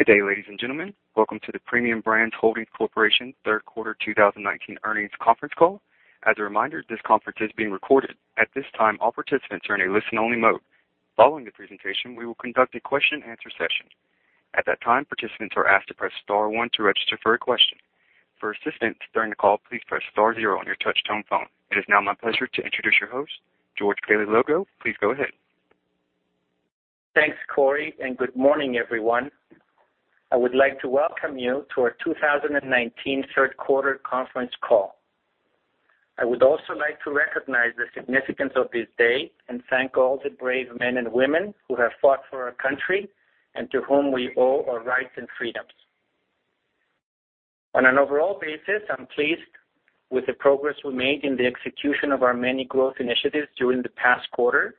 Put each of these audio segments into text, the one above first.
Good day, ladies and gentlemen. Welcome to the Premium Brands Holdings Corporation third quarter 2019 earnings conference call. As a reminder, this conference is being recorded. At this time, all participants are in a listen-only mode. Following the presentation, we will conduct a question and answer session. At that time, participants are asked to press star one to register for a question. For assistance during the call, please press star zero on your touch-tone phone. It is now my pleasure to introduce your host, George Paleologou. Please go ahead. Thanks, Corey, and good morning, everyone. I would like to welcome you to our 2019 third quarter conference call. I would also like to recognize the significance of this day and thank all the brave men and women who have fought for our country and to whom we owe our rights and freedoms. On an overall basis, I'm pleased with the progress we made in the execution of our many growth initiatives during the past quarter,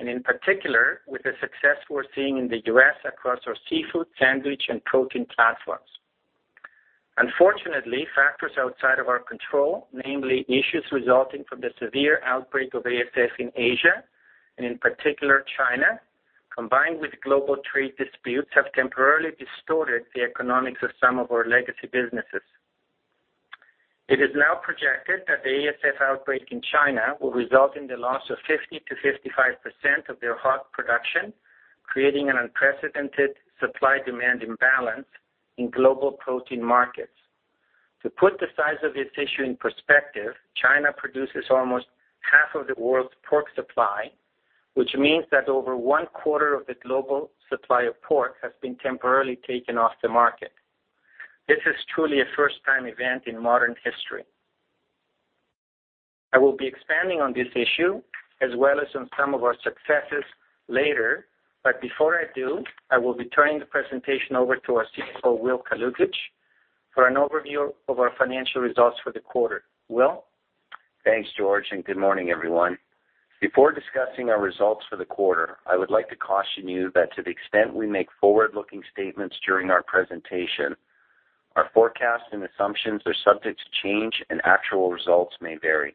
and in particular with the success we're seeing in the U.S. across our seafood, sandwich, and protein platforms. Unfortunately, factors outside of our control, namely issues resulting from the severe outbreak of ASF in Asia, and in particular China, combined with global trade disputes, have temporarily distorted the economics of some of our legacy businesses. It is now projected that the ASF outbreak in China will result in the loss of 50% to 55% of their hog production, creating an unprecedented supply-demand imbalance in global protein markets. To put the size of this issue in perspective, China produces almost half of the world's pork supply, which means that over one-quarter of the global supply of pork has been temporarily taken off the market. This is truly a first-time event in modern history. I will be expanding on this issue as well as on some of our successes later, but before I do, I will be turning the presentation over to our CFO, Will Kalutycz, for an overview of our financial results for the quarter. Will? Thanks, George. Good morning, everyone. Before discussing our results for the quarter, I would like to caution you that to the extent we make forward-looking statements during our presentation, our forecasts and assumptions are subject to change and actual results may vary.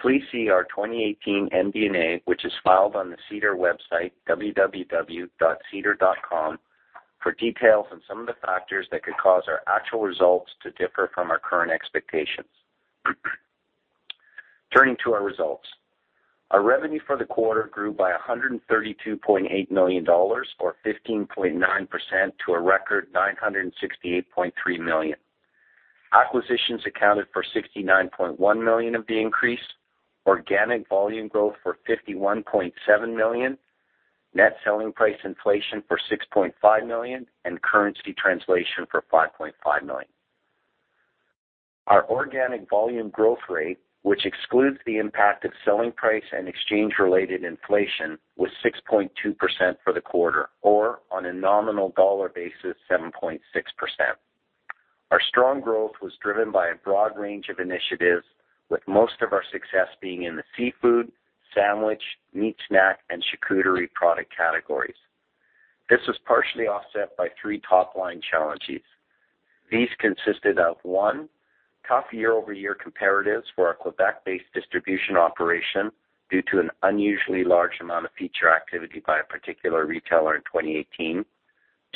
Please see our 2018 MD&A, which is filed on the SEDAR website, www.sedar.com, for details on some of the factors that could cause our actual results to differ from our current expectations. Turning to our results. Our revenue for the quarter grew by 132.8 million dollars, or 15.9%, to a record 968.3 million. Acquisitions accounted for 69.1 million of the increase, organic volume growth for 51.7 million, net selling price inflation for 6.5 million, and currency translation for 5.5 million. Our organic volume growth rate, which excludes the impact of selling price and exchange-related inflation, was 6.2% for the quarter, or on a nominal dollar basis, 7.6%. Our strong growth was driven by a broad range of initiatives, with most of our success being in the seafood, sandwich, meat snack, and charcuterie product categories. This was partially offset by three top-line challenges. These consisted of, One, tough year-over-year comparatives for our Quebec-based distribution operation due to an unusually large amount of feature activity by a particular retailer in 2018.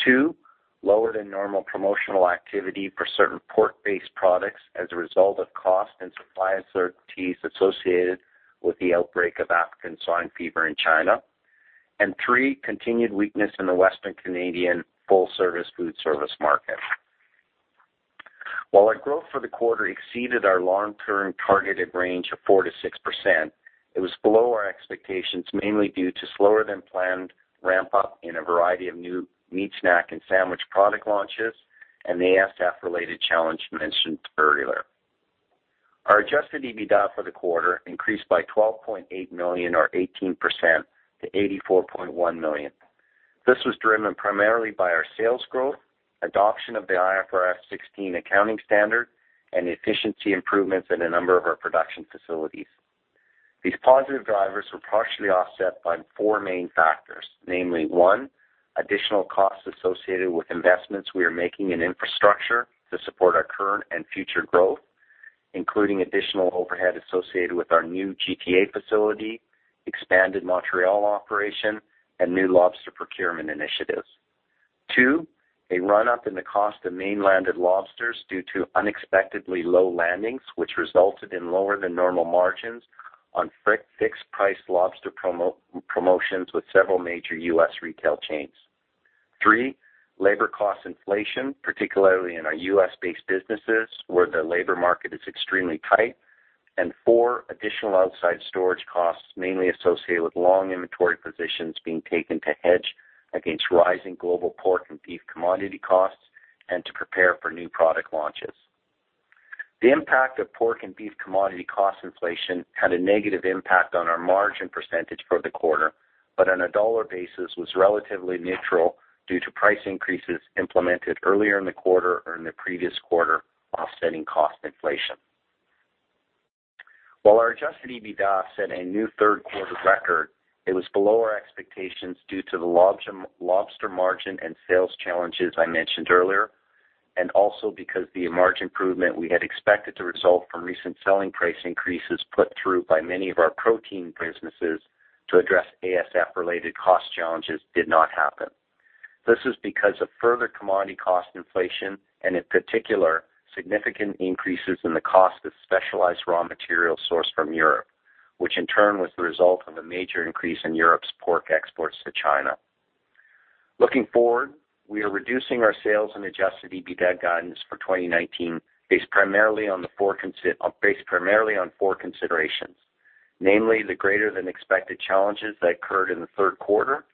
Two, lower than normal promotional activity for certain pork-based products as a result of cost and supply uncertainties associated with the outbreak of African swine fever in China. Three, continued weakness in the Western Canadian full-service food service market. While our growth for the quarter exceeded our long-term targeted range of 4%-6%, it was below our expectations, mainly due to slower than planned ramp-up in a variety of new meat snack and sandwich product launches and the ASF-related challenge mentioned earlier. Our adjusted EBITDA for the quarter increased by 12.8 million or 18% to 84.1 million. This was driven primarily by our sales growth, adoption of the IFRS 16 accounting standard, and efficiency improvements in a number of our production facilities. These positive drivers were partially offset by four main factors, namely, one, additional costs associated with investments we are making in infrastructure to support our current and future growth, including additional overhead associated with our new GTA facility, expanded Montreal operation, and new lobster procurement initiatives. Two, a run-up in the cost of mainland lobsters due to unexpectedly low landings, which resulted in lower than normal margins on fixed-price lobster promotions with several major U.S. retail chains. Three, labor cost inflation, particularly in our U.S.-based businesses where the labor market is extremely tight. Four, additional outside storage costs, mainly associated with long inventory positions being taken to hedge against rising global pork and beef commodity costs and to prepare for new product launches. The impact of pork and beef commodity cost inflation had a negative impact on our margin percentage for the quarter, but on a dollar basis was relatively neutral due to price increases implemented earlier in the quarter or in the previous quarter offsetting cost inflation. While our adjusted EBITDA set a new third quarter record, it was below our expectations due to the lobster margin and sales challenges I mentioned earlier and also because the margin improvement we had expected to result from recent selling price increases put through by many of our protein businesses to address ASF-related cost challenges did not happen. This is because of further commodity cost inflation and, in particular, significant increases in the cost of specialized raw materials sourced from Europe, which in turn was the result of a major increase in Europe's pork exports to China. Looking forward, we are reducing our sales and adjusted EBITDA guidance for 2019 based primarily on four considerations. Namely, the greater than expected challenges that occurred in the third quarter,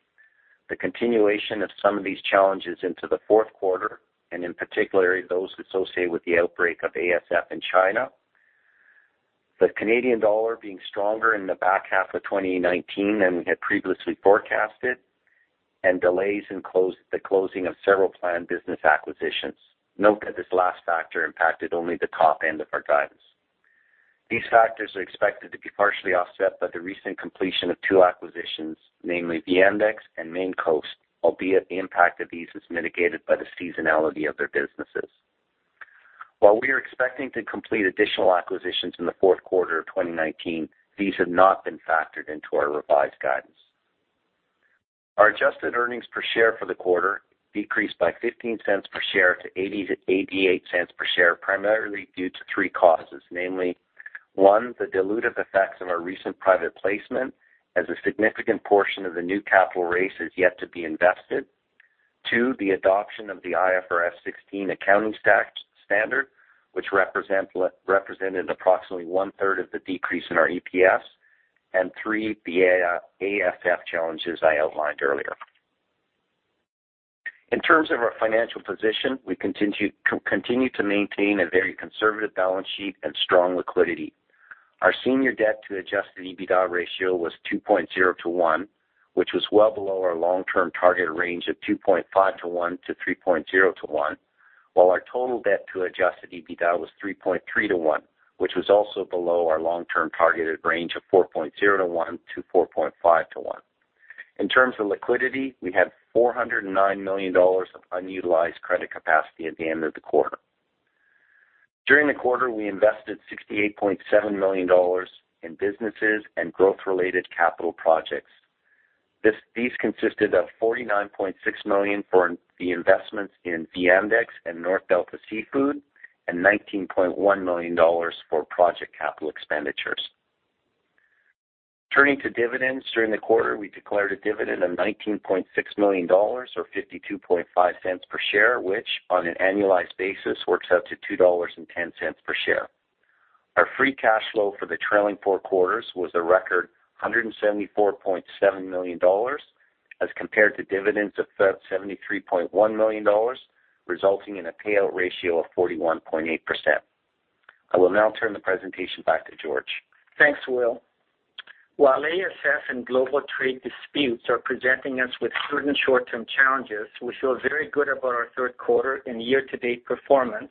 the continuation of some of these challenges into the fourth quarter, and in particular, those associated with the outbreak of ASF in China, the Canadian dollar being stronger in the back half of 2019 than we had previously forecasted, and delays in the closing of several planned business acquisitions. Note that this last factor impacted only the top end of our guidance. These factors are expected to be partially offset by the recent completion of two acquisitions, namely Viandex and Maine Coast, albeit the impact of these is mitigated by the seasonality of their businesses. While we are expecting to complete additional acquisitions in the fourth quarter of 2019, these have not been factored into our revised guidance. Our adjusted EPS for the quarter decreased by 0.15 per share to 0.88 per share, primarily due to three causes, namely, one, the dilutive effects of our recent private placement, as a significant portion of the new capital raise is yet to be invested. Two, the adoption of the IFRS 16 accounting standard, which represented approximately one-third of the decrease in our EPS. Three, the ASF challenges I outlined earlier. In terms of our financial position, we continue to maintain a very conservative balance sheet and strong liquidity. Our senior debt to adjusted EBITDA ratio was 2.0 to one, which was well below our long-term target range of 2.5 to one to 3.0 to one, while our total debt to adjusted EBITDA was 3.3 to one, which was also below our long-term targeted range of 4.0 to one to 4.5 to one. In terms of liquidity, we had 409 million dollars of unutilized credit capacity at the end of the quarter. During the quarter, we invested 68.7 million dollars in businesses and growth-related capital projects. These consisted of 49.6 million for the investments in Viandex and North Delta Seafood, and 19.1 million dollars for project capital expenditures. Turning to dividends, during the quarter, we declared a dividend of 19.6 million dollars, or 0.525 per share, which, on an annualized basis, works out to 2.10 dollars per share. Our free cash flow for the trailing four quarters was a record 174.7 million dollars, as compared to dividends of 73.1 million dollars, resulting in a payout ratio of 41.8%. I will now turn the presentation back to George. Thanks, Will. While ASF and global trade disputes are presenting us with certain short-term challenges, we feel very good about our third quarter and year-to-date performance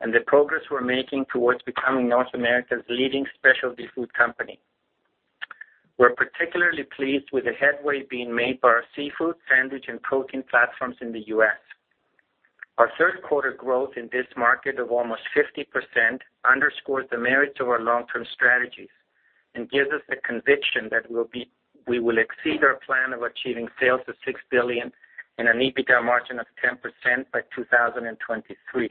and the progress we're making towards becoming North America's leading specialty food company. We're particularly pleased with the headway being made by our seafood, sandwich, and protein platforms in the U.S. Our third quarter growth in this market of almost 50% underscores the merits of our long-term strategies and gives us the conviction that we will exceed our plan of achieving sales of 6 billion and an EBITDA margin of 10% by 2023.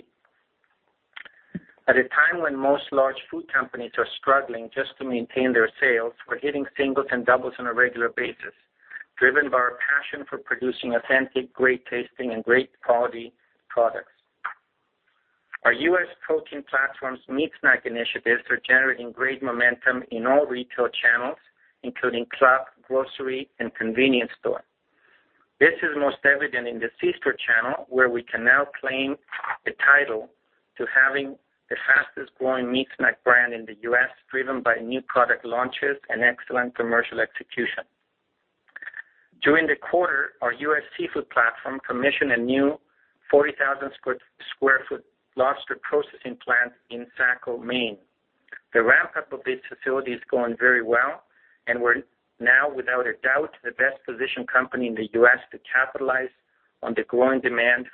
At a time when most large food companies are struggling just to maintain their sales, we're hitting singles and doubles on a regular basis, driven by our passion for producing authentic, great-tasting and great quality products. Our U.S. protein platform's meat snack initiatives are generating great momentum in all retail channels, including club, grocery, and convenience store. This is most evident in the C-store channel, where we can now claim the title to having the fastest-growing meat snack brand in the U.S., driven by new product launches and excellent commercial execution. During the quarter, our U.S. seafood platform commissioned a new 40,000-square-foot lobster processing plant in Saco, Maine. The ramp-up of this facility is going very well, and we're now, without a doubt, the best-positioned company in the U.S. to capitalize on the growing demand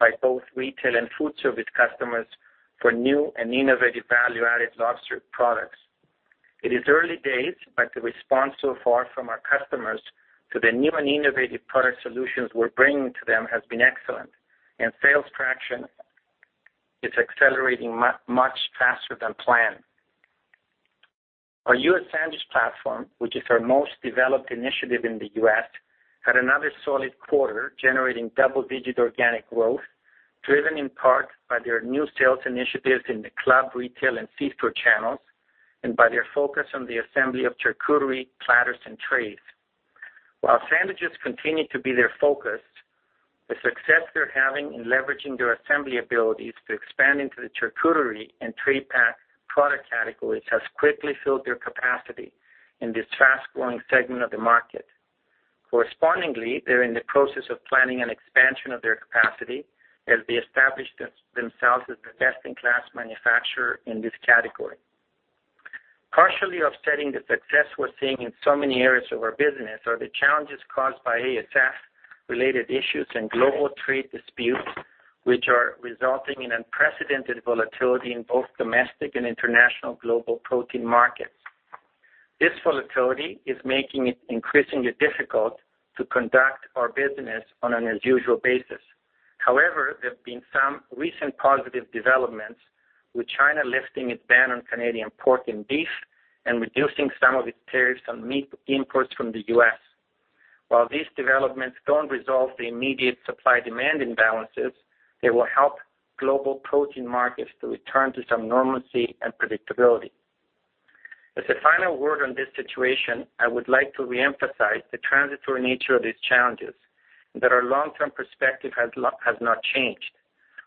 by both retail and food service customers for new and innovative value-added lobster products. It is early days, but the response so far from our customers to the new and innovative product solutions we're bringing to them has been excellent, and sales traction is accelerating much faster than planned. Our U.S. sandwich platform, which is our most developed initiative in the U.S., had another solid quarter generating double-digit organic growth, driven in part by their new sales initiatives in the club, retail, and C-store channels, and by their focus on the assembly of charcuterie platters and trays. While sandwiches continue to be their focus, the success they're having in leveraging their assembly abilities to expand into the charcuterie and tray pack product categories has quickly filled their capacity in this fast-growing segment of the market. Correspondingly, they're in the process of planning an expansion of their capacity as they establish themselves as the best-in-class manufacturer in this category. Partially offsetting the success we're seeing in so many areas of our business are the challenges caused by ASF-related issues and global trade disputes, which are resulting in unprecedented volatility in both domestic and international global protein markets. There have been some recent positive developments, with China lifting its ban on Canadian pork and beef and reducing some of its tariffs on meat imports from the U.S. While these developments don't resolve the immediate supply-demand imbalances, they will help global protein markets to return to some normalcy and predictability. As a final word on this situation, I would like to reemphasize the transitory nature of these challenges and that our long-term perspective has not changed.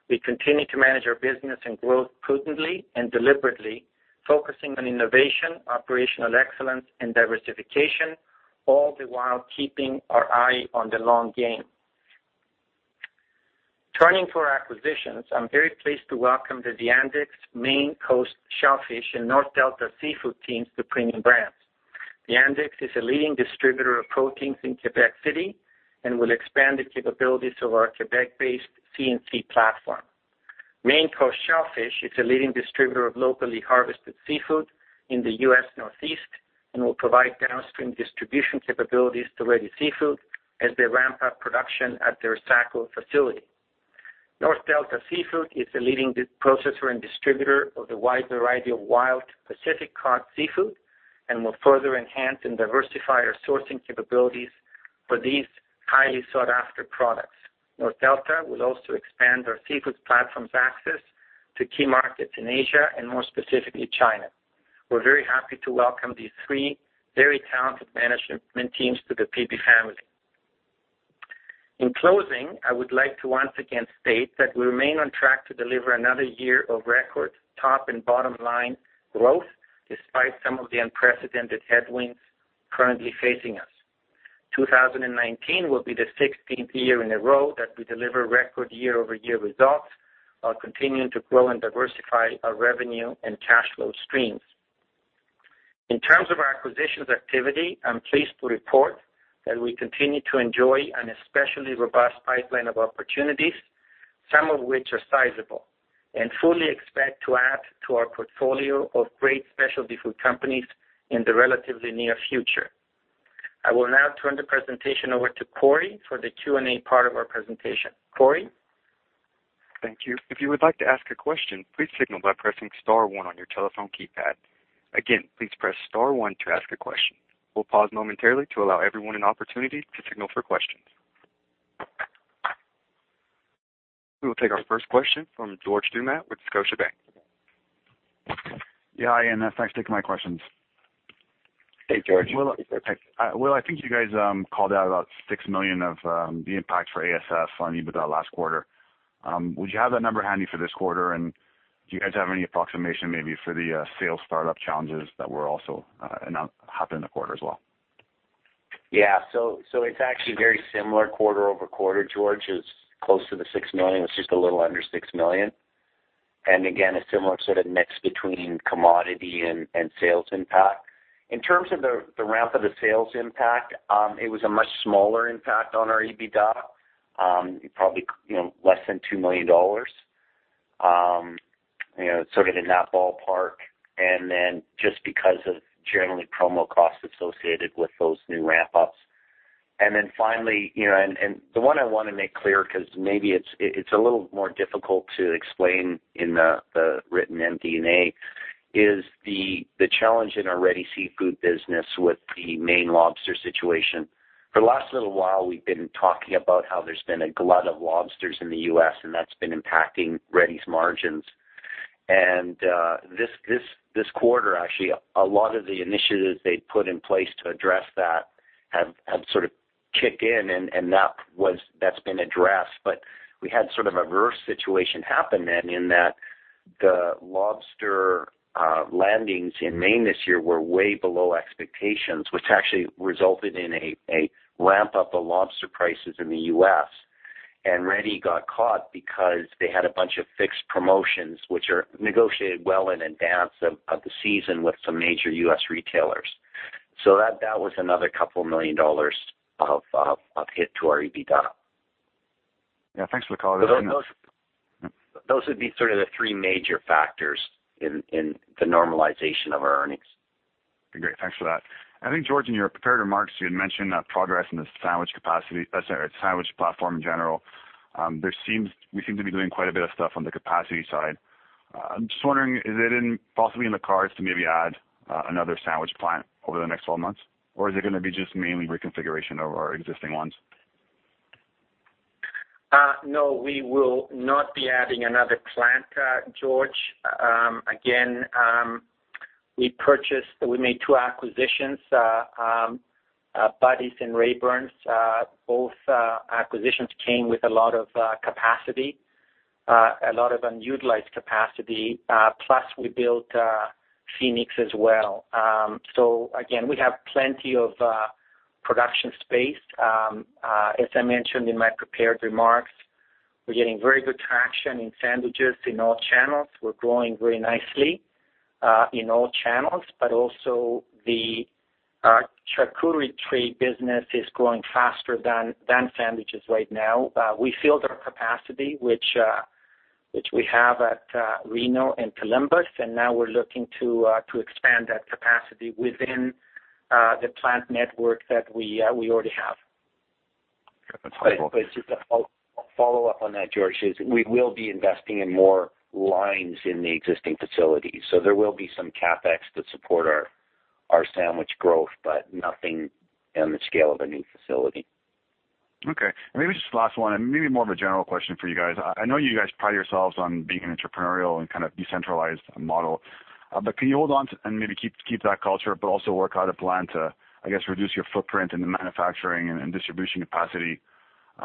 We continue to manage our business and growth prudently and deliberately, focusing on innovation, operational excellence, and diversification, all the while keeping our eye on the long game. Turning to our acquisitions, I'm very pleased to welcome the Viandex, Maine Coast Shellfish, and North Delta Seafood teams to Premium Brands. Viandex is a leading distributor of proteins in Quebec City and will expand the capabilities of our Quebec-based C&C platform. Maine Coast Shellfish is a leading distributor of locally harvested seafood in the U.S. Northeast and will provide downstream distribution capabilities to Ready Seafood as they ramp up production at their Saco facility. North Delta Seafood is a leading processor and distributor of a wide variety of wild Pacific cod seafood and will further enhance and diversify our sourcing capabilities for these highly sought-after products. North Delta will also expand our seafood platform's access to key markets in Asia and more specifically, China. We're very happy to welcome these three very talented management teams to the PB family. In closing, I would like to once again state that we remain on track to deliver another year of record top and bottom line growth, despite some of the unprecedented headwinds currently facing us. 2019 will be the 16th year in a row that we deliver record year-over-year results while continuing to grow and diversify our revenue and cash flow streams. In terms of our acquisitions activity, I'm pleased to report that we continue to enjoy an especially robust pipeline of opportunities, some of which are sizable, and fully expect to add to our portfolio of great specialty food companies in the relatively near future. I will now turn the presentation over to Corey for the Q&A part of our presentation. Corey? Thank you. If you would like to ask a question, please signal by pressing star 1 on your telephone keypad. Again, please press star 1 to ask a question. We'll pause momentarily to allow everyone an opportunity to signal for questions. We will take our first question from George Doumet with Scotiabank. Yeah, hi, NS. Thanks for taking my questions. Hey, George. Will, I think you guys called out about 6 million of the impact for ASF on EBITDA last quarter. Would you have that number handy for this quarter? Do you guys have any approximation maybe for the sales startup challenges that were also happened in the quarter as well? It's actually very similar quarter-over-quarter, George. It's close to the 6 million. It's just a little under 6 million. Again, a similar sort of mix between commodity and sales impact. In terms of the ramp of the sales impact, it was a much smaller impact on our EBITDA, probably less than 2 million dollars. Sort of in that ballpark, just because of generally promo costs associated with those new ramp-ups. Finally, and the one I want to make clear, because maybe it's a little more difficult to explain in the written MD&A, is the challenge in our Ready Seafood business with the Maine lobster situation. For the last little while, we've been talking about how there's been a glut of lobsters in the U.S., and that's been impacting Ready's margins. This quarter, actually, a lot of the initiatives they put in place to address that have sort of kicked in, and that's been addressed. We had sort of a reverse situation happen then in that the lobster landings in Maine this year were way below expectations, which actually resulted in a ramp-up of lobster prices in the U.S. Ready got caught because they had a bunch of fixed promotions, which are negotiated well in advance of the season with some major U.S. retailers. That was another CAD couple million of hit to our EBITDA. Yeah, thanks for the call. Those would be sort of the three major factors in the normalization of our earnings. Great. Thanks for that. I think, George, in your prepared remarks, you had mentioned progress in the sandwich platform in general. We seem to be doing quite a bit of stuff on the capacity side. I'm just wondering, is it possibly in the cards to maybe add another sandwich plant over the next 12 months? Is it going to be just mainly reconfiguration of our existing ones? No, we will not be adding another plant, George. Again, we made two acquisitions, Buddy's and Raybern's. Both acquisitions came with a lot of capacity, a lot of unutilized capacity. Plus, we built Phoenix as well. Again, we have plenty of production space. As I mentioned in my prepared remarks, we're getting very good traction in sandwiches in all channels. We're growing very nicely in all channels, but also the charcuterie tray business is growing faster than sandwiches right now. We filled our capacity, which we have at Reno and Columbus, and now we're looking to expand that capacity within the plant network that we already have. Okay. That's helpful. Just a follow-up on that, George, is we will be investing in more lines in the existing facilities. There will be some CapEx that support our sandwich growth, but nothing on the scale of a new facility. Okay. Maybe just the last one, maybe more of a general question for you guys. I know you guys pride yourselves on being entrepreneurial and kind of decentralized model. Can you hold on to and maybe keep that culture, but also work out a plan to, I guess, reduce your footprint in the manufacturing and distribution capacity,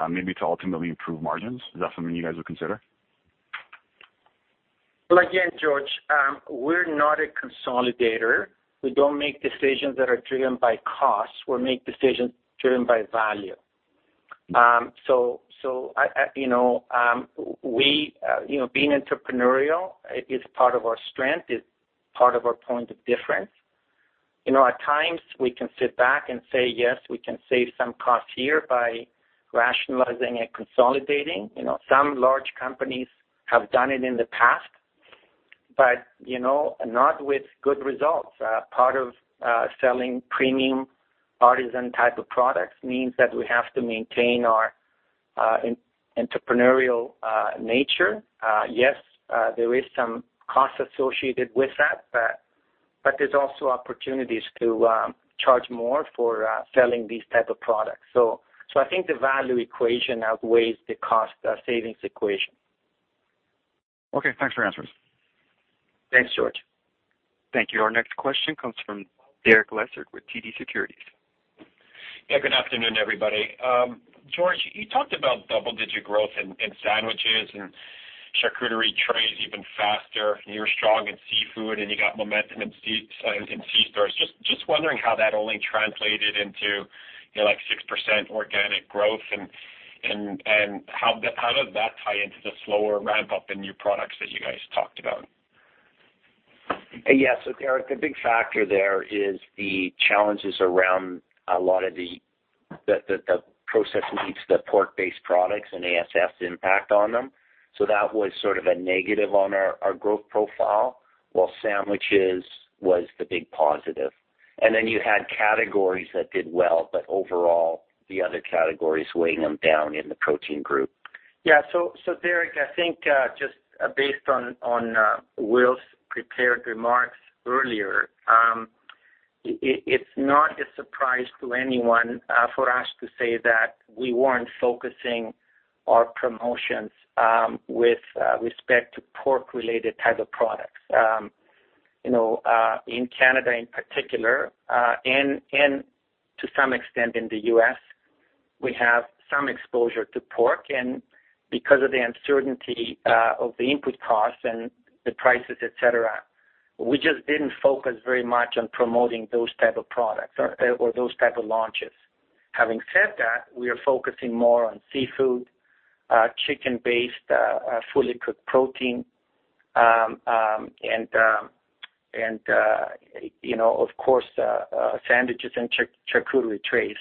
maybe to ultimately improve margins? Is that something you guys would consider? Again, George, we're not a consolidator. We don't make decisions that are driven by costs. We make decisions driven by value. Being entrepreneurial is part of our strength, is part of our point of difference. At times, we can sit back and say, "Yes, we can save some costs here by rationalizing and consolidating." Some large companies have done it in the past, not with good results. Part of selling premium artisan type of products means that we have to maintain our entrepreneurial nature. Yes, there is some cost associated with that, there's also opportunities to charge more for selling these type of products. I think the value equation outweighs the cost savings equation. Okay. Thanks for the answers. Thanks, George. Thank you. Our next question comes from Derek Lessard with TD Securities. Yeah. Good afternoon, everybody. George, you talked about double-digit growth in sandwiches and charcuterie trays even faster. You're strong in seafood, and you got momentum in C-Stores. Just wondering how that only translated into 6% organic growth and how does that tie into the slower ramp-up in new products that you guys talked about? Yeah. Derek, the big factor there is the challenges around a lot of the processing meats, the pork-based products and ASF's impact on them. That was sort of a negative on our growth profile, while sandwiches was the big positive. You had categories that did well, but overall, the other categories weighing them down in the protein group. Yeah. Derek, I think, just based on Will's prepared remarks earlier, it's not a surprise to anyone for us to say that we weren't focusing our promotions with respect to pork-related type of products. In Canada in particular, and to some extent in the U.S., we have some exposure to pork, and because of the uncertainty of the input costs and the prices, et cetera, we just didn't focus very much on promoting those type of products or those type of launches. Having said that, we are focusing more on seafood, chicken-based, fully cooked protein, and of course, sandwiches and charcuterie trays.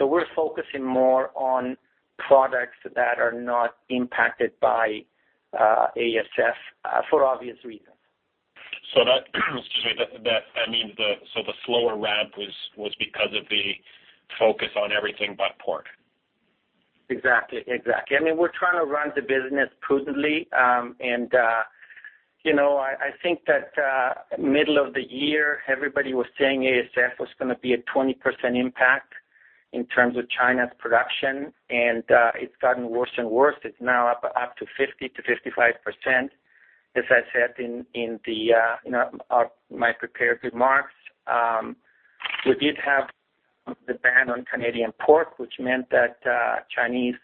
We're focusing more on products that are not impacted by ASF, for obvious reasons. Excuse me, so the slower ramp was because of the focus on everything but pork. Exactly. We're trying to run the business prudently, and I think that middle of the year, everybody was saying ASF was going to be a 20% impact in terms of China's production, and it's gotten worse and worse. It's now up to 50% to 55%. As I said in my prepared remarks, we did have the ban on Canadian pork, which meant that Chinese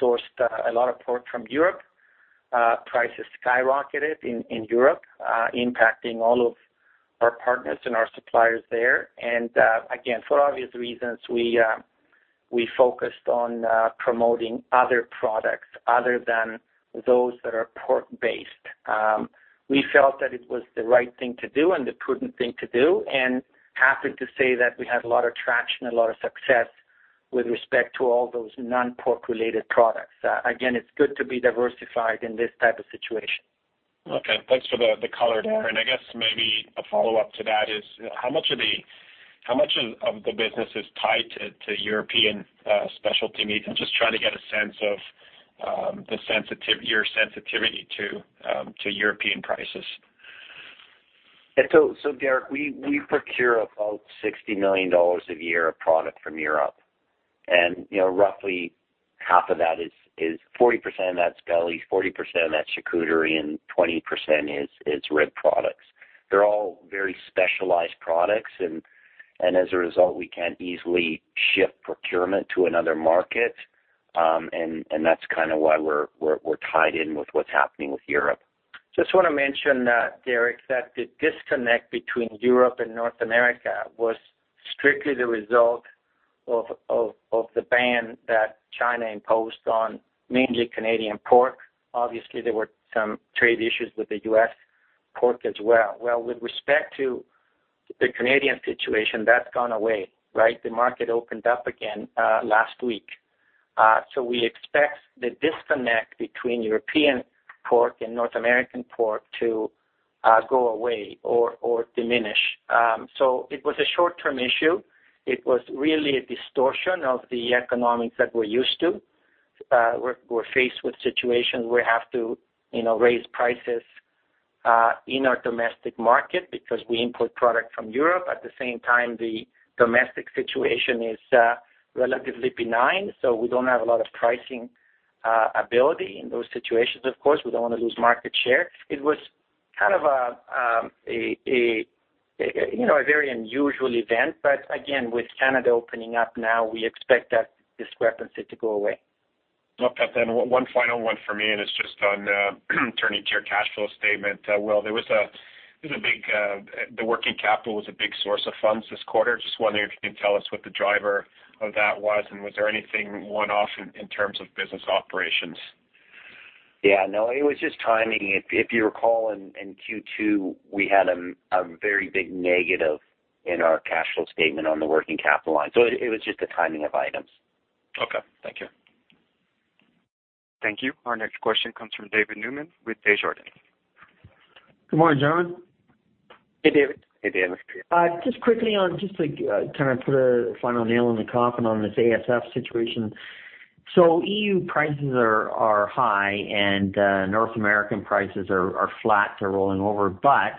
sourced a lot of pork from Europe. Prices skyrocketed in Europe, impacting all of our partners and our suppliers there. Again, for obvious reasons, we focused on promoting other products other than those that are pork-based. We felt that it was the right thing to do and the prudent thing to do, and happy to say that we had a lot of traction, a lot of success with respect to all those non-pork related products. Again, it's good to be diversified in this type of situation. Okay. Thanks for the color, Derek. I guess maybe a follow-up to that is, how much of the business is tied to European specialty meat? I'm just trying to get a sense of your sensitivity to European prices. Derek, we procure about 60 million dollars a year of product from Europe, and roughly 40% of that's deli, 40% of that's charcuterie, and 20% is rib products. They're all very specialized products. As a result, we can't easily shift procurement to another market. That's kind of why we're tied in with what's happening with Europe. Just want to mention, Derek, that the disconnect between Europe and North America was strictly the result of the ban that China imposed on mainly Canadian pork. Obviously, there were some trade issues with the U.S. pork as well. With respect to the Canadian situation, that's gone away, right? The market opened up again last week. We expect the disconnect between European pork and North American pork to go away or diminish. It was a short-term issue. It was really a distortion of the economics that we're used to. We're faced with situations we have to raise prices in our domestic market because we import product from Europe. At the same time, the domestic situation is relatively benign, we don't have a lot of pricing ability in those situations. Of course, we don't want to lose market share. It was kind of a very unusual event, but again, with Canada opening up now, we expect that discrepancy to go away. Okay. One final one for me, it's just on turning to your cash flow statement. Will, the working capital was a big source of funds this quarter. Just wondering if you can tell us what the driver of that was there anything one-off in terms of business operations? Yeah, no, it was just timing. If you recall in Q2, we had a very big negative in our cash flow statement on the working capital line. It was just the timing of items. Okay. Thank you. Thank you. Our next question comes from David Newman with Desjardins. Good morning, gentlemen. Hey, David. Hey, David. Just quickly on, just to kind of put a final nail in the coffin on this ASF situation. EU prices are high and North American prices are flat to rolling over, but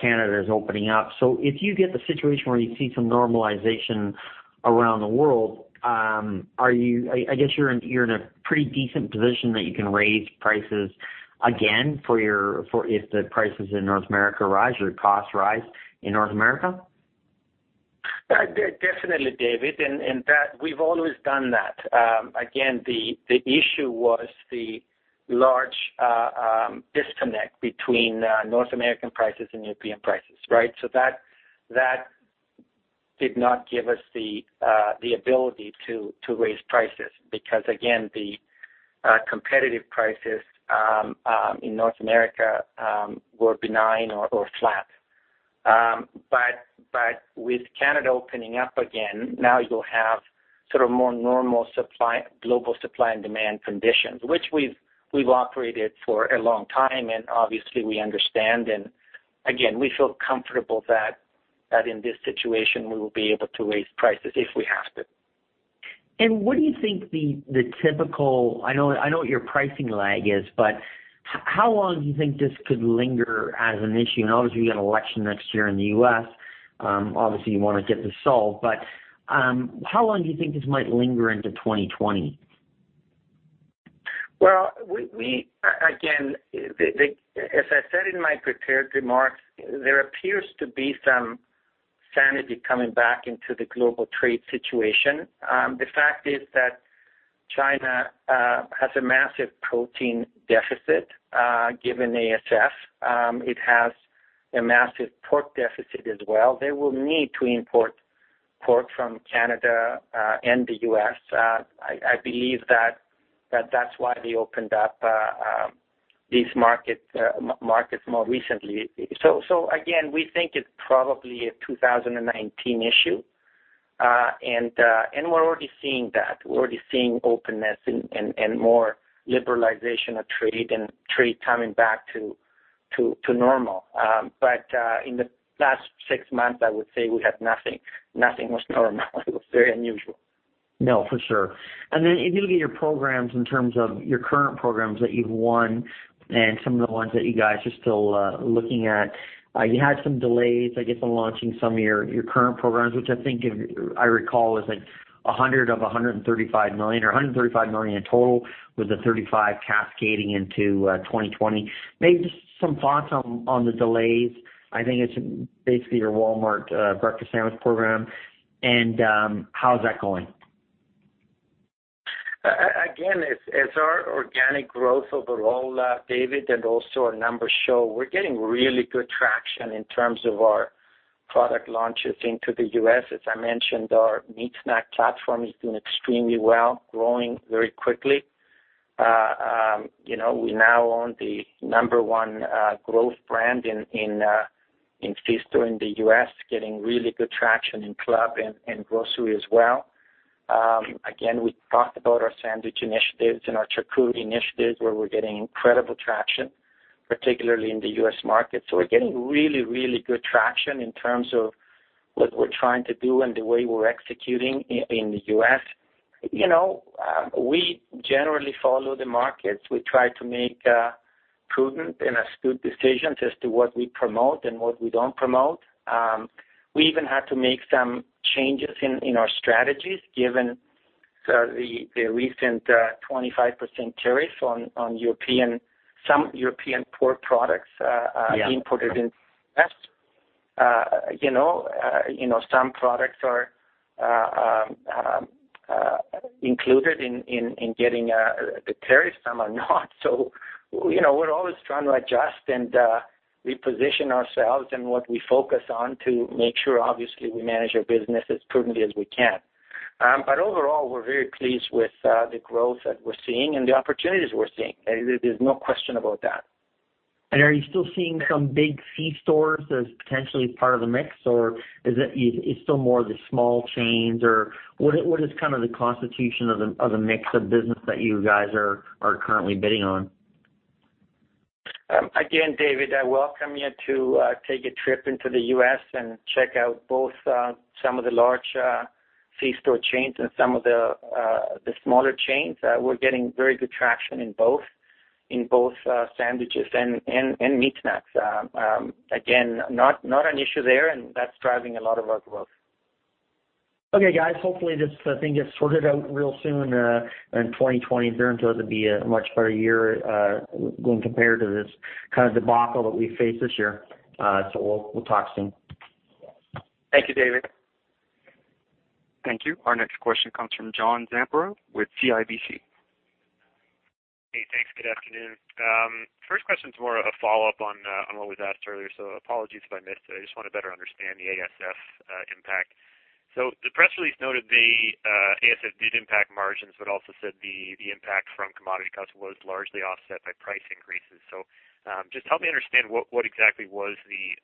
Canada is opening up. If you get the situation where you see some normalization around the world, I guess you're in a pretty decent position that you can raise prices again if the prices in North America rise or costs rise in North America? Definitely, David. That we've always done that. Again, the issue was the large disconnect between North American prices and European prices, right? That did not give us the ability to raise prices because, again, the competitive prices in North America were benign or flat. With Canada opening up again, now you'll have sort of more normal global supply and demand conditions, which we've operated for a long time, and obviously we understand, and again, we feel comfortable that in this situation we will be able to raise prices if we have to. What do you think the typical-- I know what your pricing lag is, but how long do you think this could linger as an issue? Obviously, you got election next year in the U.S. Obviously, you want to get this solved, but how long do you think this might linger into 2020? Again, as I said in my prepared remarks, there appears to be some sanity coming back into the global trade situation. The fact is that China has a massive protein deficit, given ASF. It has a massive pork deficit as well. They will need to import pork from Canada and the U.S. I believe that's why they opened up these markets more recently. Again, we think it's probably a 2019 issue, and we're already seeing that. We're already seeing openness and more liberalization of trade and trade coming back to normal. In the last six months, I would say we had nothing. Nothing was normal. It was very unusual. No, for sure. Then if you look at your programs in terms of your current programs that you've won and some of the ones that you guys are still looking at, you had some delays, I guess, on launching some of your current programs, which I think if I recall, was like 100 million of 135 million or 135 million in total with the 35 cascading into 2020. Maybe just some thoughts on the delays. I think it's basically your Walmart Breakfast Sandwich Program. How's that going? As our organic growth overall, David, and also our numbers show, we're getting really good traction in terms of our product launches into the U.S. As I mentioned, our meat snack platform is doing extremely well, growing very quickly. We now own the number one growth brand in Festo in the U.S., getting really good traction in club and grocery as well. We talked about our sandwich initiatives and our charcuterie initiatives, where we're getting incredible traction, particularly in the U.S. market. We're getting really, really good traction in terms of what we're trying to do and the way we're executing in the U.S. We generally follow the markets. We try to make prudent and astute decisions as to what we promote and what we don't promote. We even had to make some changes in our strategies given the recent 25% tariffs on some European pork products being imported in the U.S. Some products are included in getting the tariff, some are not. We're always trying to adjust and reposition ourselves and what we focus on to make sure, obviously, we manage our business as prudently as we can. Overall, we're very pleased with the growth that we're seeing and the opportunities we're seeing. There's no question about that. Are you still seeing some big C-stores as potentially part of the mix, or is it still more of the small chains, or what is kind of the constitution of the mix of business that you guys are currently bidding on? Again, David, I welcome you to take a trip into the U.S. and check out both some of the large C-store chains and some of the smaller chains. We're getting very good traction in both sandwiches and meat snacks. Again, not an issue there, and that's driving a lot of our growth. Okay, guys. Hopefully, this thing gets sorted out real soon in 2020. There until it would be a much better year when compared to this kind of debacle that we face this year. We'll talk soon. Thank you, David. Thank you. Our next question comes from John Zamparo with CIBC. Hey, thanks. Good afternoon. First question is more of a follow-up on what was asked earlier, so apologies if I missed it. I just want to better understand the ASF impact. The press release noted the ASF did impact margins, but also said the impact from commodity costs was largely offset by price increases. Just help me understand what exactly was the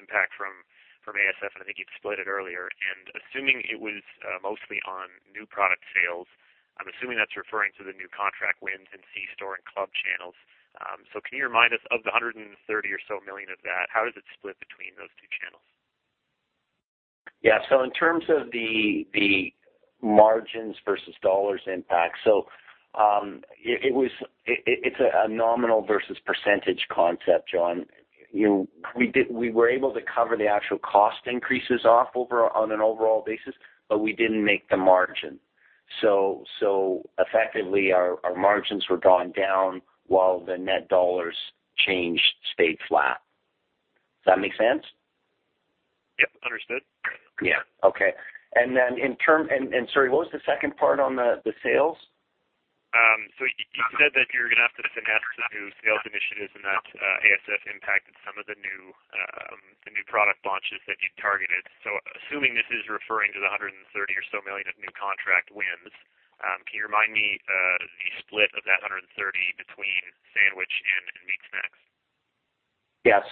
impact from ASF, and I think you'd split it earlier. Assuming it was mostly on new product sales, I'm assuming that's referring to the new contract wins in C-store and club channels. Can you remind us of the 130 or so million of that, how does it split between those two channels? Yeah. In terms of the margins versus dollars impact, so it's a nominal versus percentage concept, John. We were able to cover the actual cost increases off on an overall basis, but we didn't make the margin. Effectively, our margins were gone down while the net dollars change stayed flat. Does that make sense? Yep, understood. Yeah. Okay. Sorry, what was the second part on the sales? You said that you're going to have to finesse some new sales initiatives and that ASF impacted some of the new product launches that you'd targeted. Assuming this is referring to the 130 or so million of new contract wins, can you remind me the split of that 130 between sandwich and meat snacks? Yeah.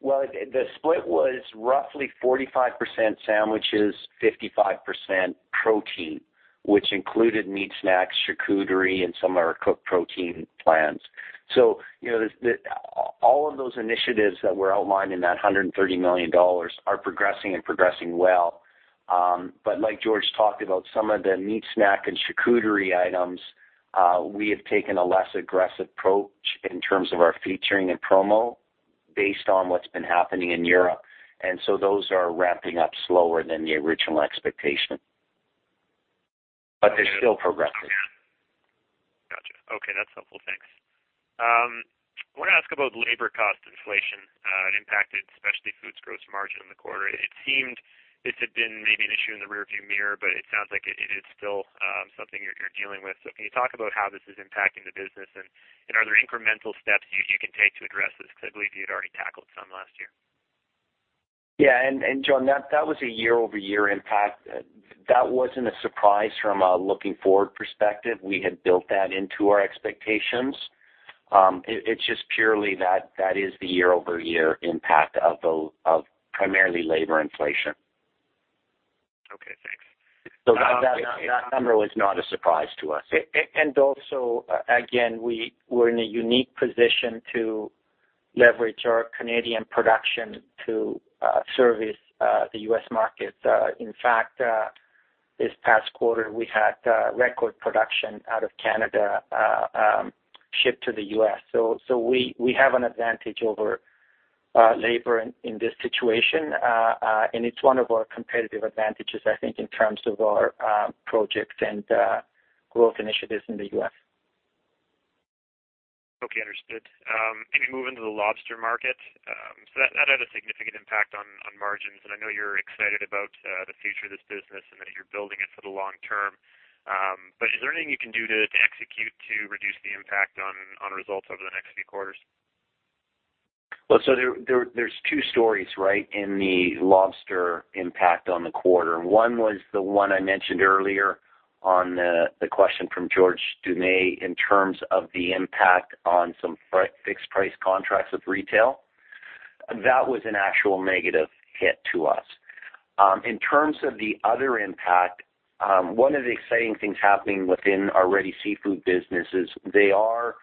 The split was roughly 45% sandwiches, 55% protein, which included meat snacks, charcuterie, and some of our cooked protein plans. All of those initiatives that were outlined in that 130 million dollars are progressing and progressing well. Like George talked about, some of the meat snack and charcuterie items, we have taken a less aggressive approach in terms of our featuring and promo based on what's been happening in Europe. Those are ramping up slower than the original expectation. They're still progressing. Got you. Okay. That's helpful. Thanks. I want to ask about labor cost inflation. It impacted especially food's gross margin in the quarter. It seemed this had been maybe an issue in the rearview mirror, but it sounds like it is still something you're dealing with. Can you talk about how this is impacting the business and are there incremental steps you can take to address this? I believe you had already tackled some last year. Yeah. John, that was a year-over-year impact. That wasn't a surprise from a looking forward perspective. We had built that into our expectations. It's just purely that is the year-over-year impact of primarily labor inflation. Okay, thanks. That number was not a surprise to us. Also, again, we're in a unique position to leverage our Canadian production to service the U.S. market. In fact, this past quarter, we had record production out of Canada shipped to the U.S. We have an advantage over labor in this situation. It's one of our competitive advantages, I think, in terms of our projects and growth initiatives in the U.S. Okay, understood. Maybe moving to the lobster market. That had a significant impact on margins, and I know you're excited about the future of this business and that you're building it for the long term. Is there anything you can do to execute to reduce the impact on results over the next few quarters? There's two stories, right, in the lobster impact on the quarter. One was the one I mentioned earlier on the question from George Doumet in terms of the impact on some fixed price contracts with retail. That was an actual negative hit to us. In terms of the other impact, one of the exciting things happening within our Ready Seafood business is they are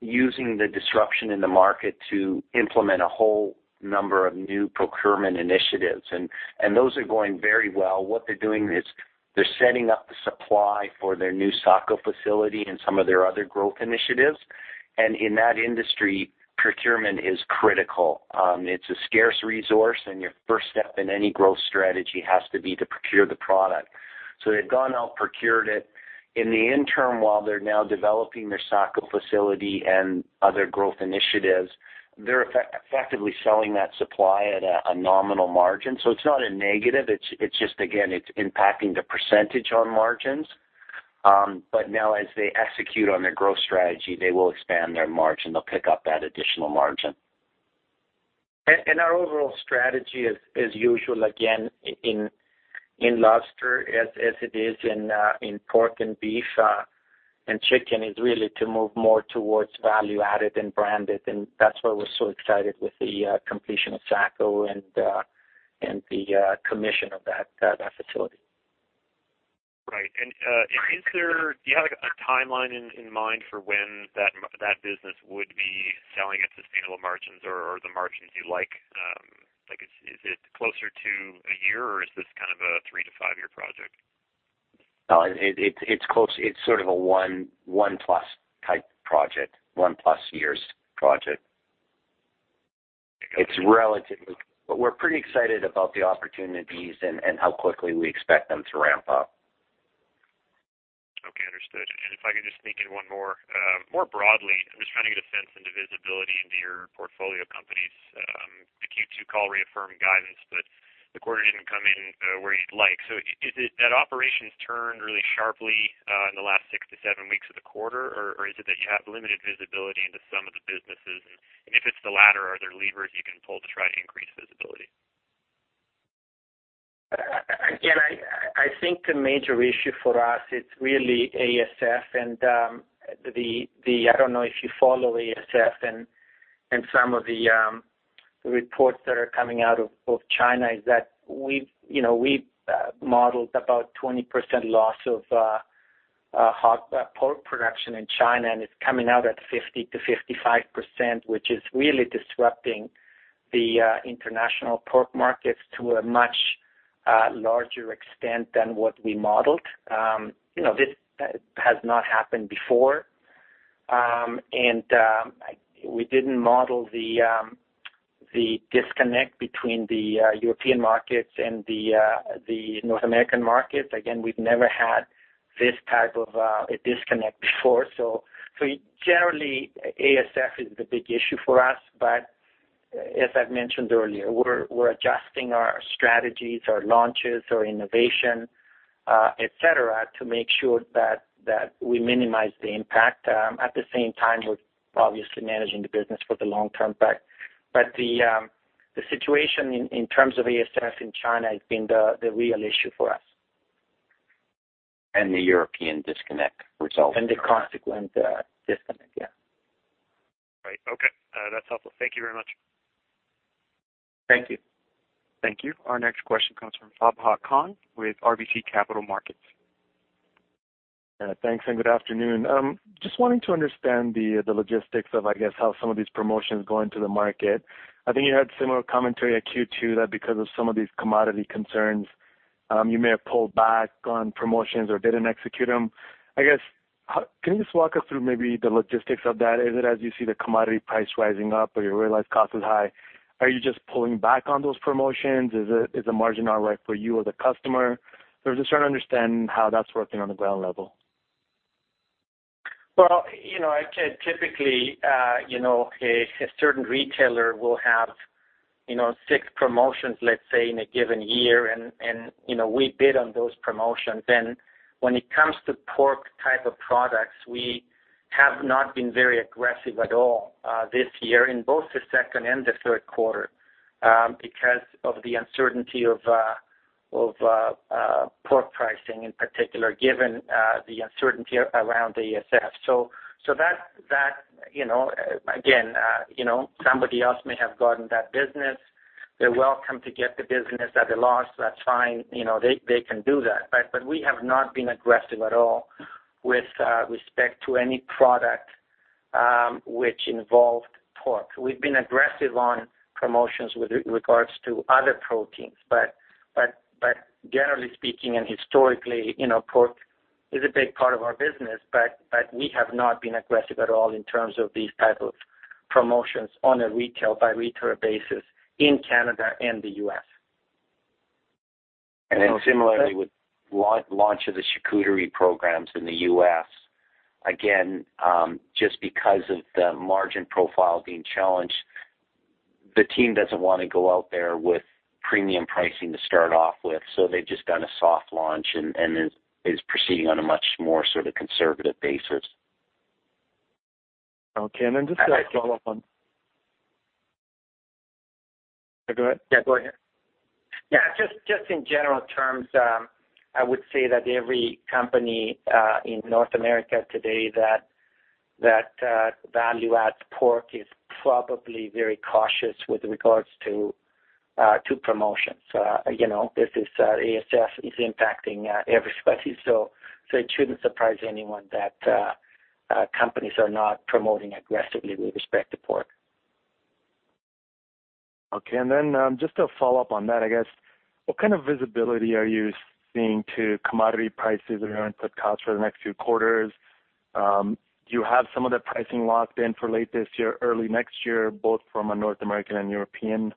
using the disruption in the market to implement a whole number of new procurement initiatives, and those are going very well. What they're doing is they're setting up the supply for their new Saco facility and some of their other growth initiatives. In that industry, procurement is critical. It's a scarce resource, and your first step in any growth strategy has to be to procure the product. They've gone out, procured it. In the interim, while they're now developing their Saco facility and other growth initiatives, they're effectively selling that supply at a nominal margin. It's not a negative. It's just, again, it's impacting the percentage on margins. Now as they execute on their growth strategy, they will expand their margin. They'll pick up that additional margin. Our overall strategy is usual, again, in lobster, as it is in pork and beef and chicken, is really to move more towards value-added and branded. That's why we're so excited with the completion of Saco and the commission of that facility. Right. Do you have a timeline in mind for when that business would be selling at sustainable margins or the margins you like? Is it closer to a year, or is this kind of a three to five-year project? No, it's sort of a one-plus type project, one-plus years project. We're pretty excited about the opportunities and how quickly we expect them to ramp up. Okay, understood. If I could just sneak in one more. More broadly, I'm just trying to get a sense into visibility into your portfolio companies. The Q2 call reaffirmed guidance, the quarter didn't come in where you'd like. Is it that operations turned really sharply in the last six to seven weeks of the quarter, or is it that you have limited visibility into some of the businesses? If it's the latter, are there levers you can pull to try to increase visibility? I think the major issue for us, it's really ASF. I don't know if you follow ASF and some of the reports that are coming out of both China is that we've modeled about 20% loss of pork production in China, and it's coming out at 50%-55%, which is really disrupting the international pork markets to a much larger extent than what we modeled. This has not happened before. We didn't model the disconnect between the European markets and the North American markets. We've never had this type of a disconnect before. Generally, ASF is the big issue for us, but as I've mentioned earlier, we're adjusting our strategies, our launches, our innovation, et cetera, to make sure that we minimize the impact. At the same time, we're obviously managing the business for the long term. The situation in terms of ASF in China has been the real issue for us. The European disconnect results. The consequent disconnect, yeah. Right. Okay. That's helpful. Thank you very much. Thank you. Thank you. Our next question comes from Fahad Khan with RBC Capital Markets. Thanks, and good afternoon. Just wanting to understand the logistics of, I guess, how some of these promotions go into the market. I think you had similar commentary at Q2 that because of some of these commodity concerns, you may have pulled back on promotions or didn't execute them. I guess, can you just walk us through maybe the logistics of that? Is it as you see the commodity price rising up or you realize cost is high, are you just pulling back on those promotions? Is the margin not right for you or the customer? I'm just trying to understand how that's working on the ground level. Well, typically, a certain retailer will have six promotions, let's say, in a given year, and we bid on those promotions. When it comes to pork type of products, we have not been very aggressive at all this year in both the second and the third quarter because of the uncertainty of pork pricing in particular, given the uncertainty around ASF. Again, somebody else may have gotten that business. They're welcome to get the business at a loss. That's fine. They can do that. We have not been aggressive at all with respect to any product which involved pork. We've been aggressive on promotions with regards to other proteins. Generally speaking and historically, pork is a big part of our business, but we have not been aggressive at all in terms of these type of promotions on a retail by retail basis in Canada and the U.S. Similarly with launch of the charcuterie programs in the U.S., again, just because of the margin profile being challenged, the team doesn't want to go out there with premium pricing to start off with. They've just done a soft launch, and it is proceeding on a much more sort of conservative basis. Okay. Go ahead. Yeah, go ahead. Just in general terms, I would say that every company in North America today that value adds pork is probably very cautious with regards to promotions. This ASF is impacting everybody, so it shouldn't surprise anyone that companies are not promoting aggressively with respect to pork. Okay. Just to follow up on that, I guess, what kind of visibility are you seeing to commodity prices around the costs for the next few quarters? Do you have some of the pricing locked in for late this year, early next year, both from a North American and European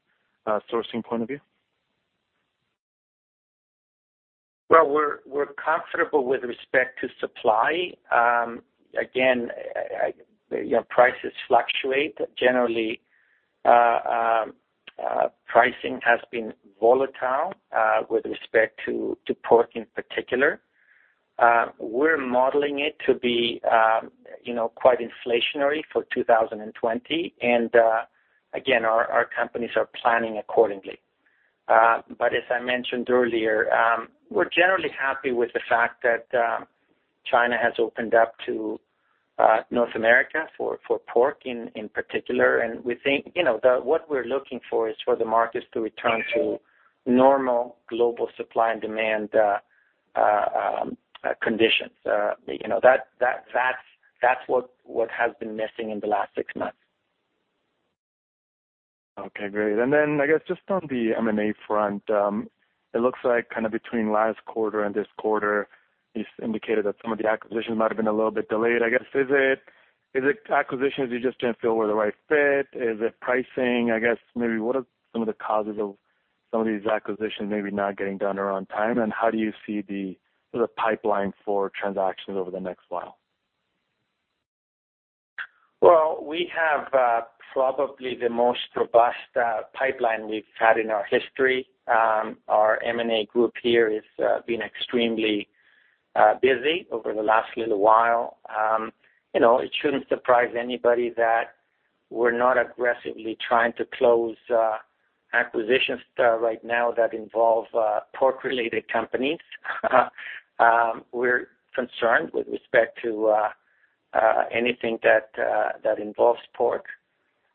sourcing point of view? We're comfortable with respect to supply. Again, prices fluctuate. Pricing has been volatile with respect to pork in particular. We're modeling it to be quite inflationary for 2020, and again, our companies are planning accordingly. As I mentioned earlier, we're generally happy with the fact that China has opened up to North America for pork in particular. We think what we're looking for is for the markets to return to normal global supply and demand conditions. That's what has been missing in the last six months. Okay, great. I guess just on the M&A front, it looks like kind of between last quarter and this quarter, you've indicated that some of the acquisitions might have been a little bit delayed, I guess. Is it acquisitions you just didn't feel were the right fit? Is it pricing? I guess, maybe what are some of the causes of some of these acquisitions maybe not getting done around time, and how do you see the sort of pipeline for transactions over the next while? Well, we have probably the most robust pipeline we've had in our history. Our M&A group here has been extremely busy over the last little while. It shouldn't surprise anybody that we're not aggressively trying to close acquisitions right now that involve pork-related companies. We're concerned with respect to anything that involves pork.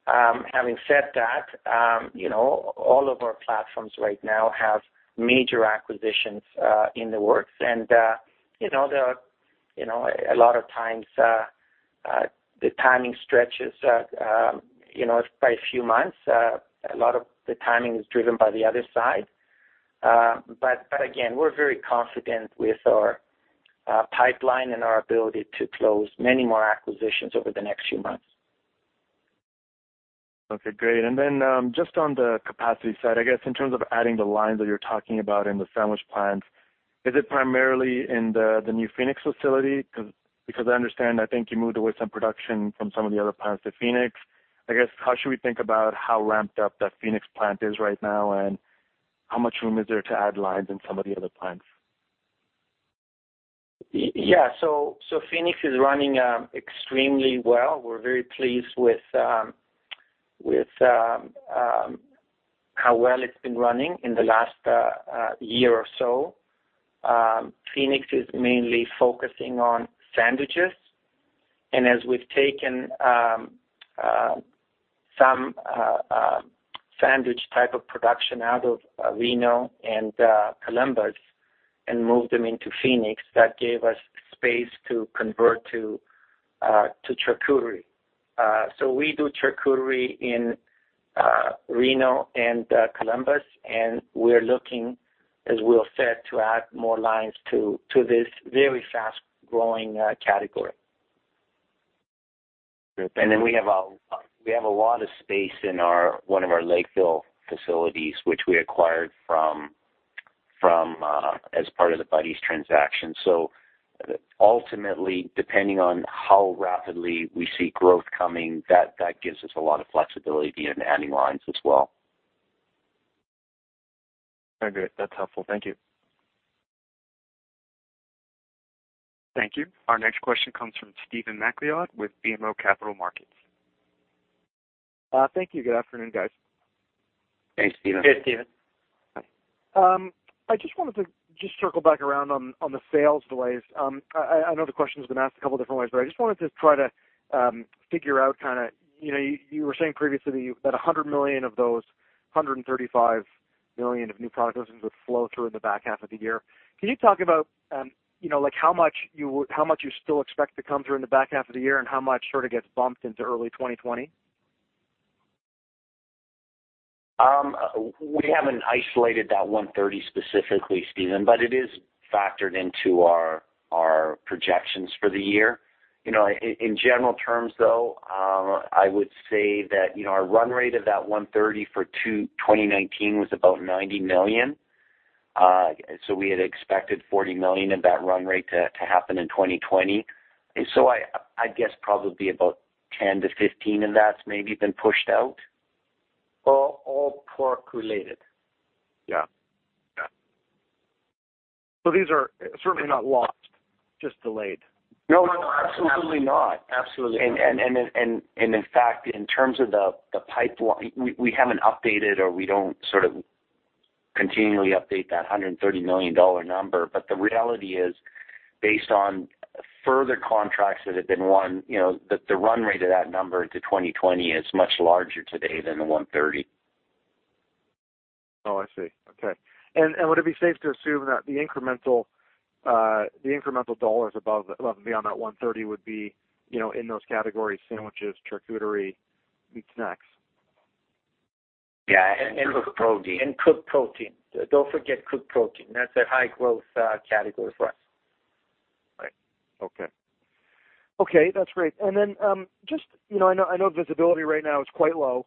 Having said that, all of our platforms right now have major acquisitions in the works. A lot of times, the timing stretches by a few months. A lot of the timing is driven by the other side. Again, we're very confident with our pipeline and our ability to close many more acquisitions over the next few months. Okay, great. Just on the capacity side, I guess in terms of adding the lines that you're talking about in the sandwich plants, is it primarily in the new Phoenix facility? Because I understand, I think you moved away some production from some of the other plants to Phoenix. I guess, how should we think about how ramped up that Phoenix plant is right now, and how much room is there to add lines in some of the other plants? Yeah. Phoenix is running extremely well. We're very pleased with how well it's been running in the last year or so. Phoenix is mainly focusing on sandwiches, and as we've taken some sandwich type of production out of Reno and Columbus and moved them into Phoenix, that gave us space to convert to charcuterie. We do charcuterie in Reno and Columbus, and we're looking, as Will said, to add more lines to this very fast-growing category. We have a lot of space in one of our Lakeville facilities, which we acquired as part of the Buddy's transaction. Ultimately, depending on how rapidly we see growth coming, that gives us a lot of flexibility in adding lines as well. Very good. That's helpful. Thank you. Thank you. Our next question comes from Stephen MacLeod with BMO Capital Markets. Thank you. Good afternoon, guys. Thanks, Stephen. Hey, Stephen. Hi. I just wanted to circle back around on the sales delays. I know the question's been asked a couple different ways, I just wanted to try to figure out kind of, you were saying previously that 100 million of those 135 million of new product introductions would flow through in the back half of the year. Can you talk about how much you still expect to come through in the back half of the year, and how much sort of gets bumped into early 2020? We haven't isolated that 130 specifically, Stephen, but it is factored into our projections for the year. In general terms though, I would say that our run rate of that 130 for 2019 was about 90 million. We had expected 40 million of that run rate to happen in 2020. I guess probably about 10-15 in that's maybe been pushed out. All pork-related. Yeah. These are certainly not lost, just delayed. No, absolutely not. In fact, in terms of the pipeline, we haven't updated or we don't sort of continually update that 130 million dollar number. The reality is, based on further contracts that have been won, the run rate of that number into 2020 is much larger today than the 130. Oh, I see. Okay. Would it be safe to assume that the incremental dollars above and beyond that 130 would be in those categories, sandwiches, charcuterie, meat snacks? Yeah. Cooked protein. Don't forget cooked protein. That's a high growth category for us. Right. Okay. That's great. I know visibility right now is quite low,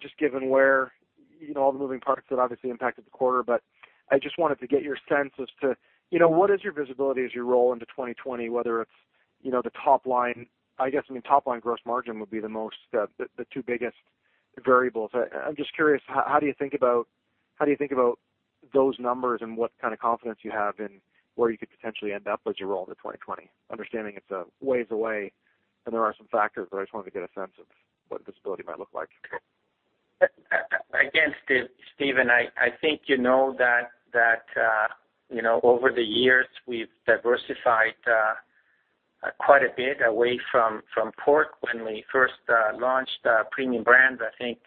just given where all the moving parts that obviously impacted the quarter, I just wanted to get your sense as to what is your visibility as you roll into 2020, whether it's the top-line. I guess, top-line gross margin would be the two biggest variables. I'm just curious, how do you think about those numbers and what kind of confidence you have in where you could potentially end up as you roll into 2020? Understanding it's a ways away and there are some factors, I just wanted to get a sense of what visibility might look like. Again, Stephen, I think you know that over the years we've diversified quite a bit away from pork. When we first launched Premium Brands, I think